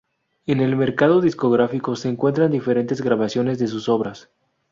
En el mercado discográfico se encuentran diferentes grabaciones de sus obras.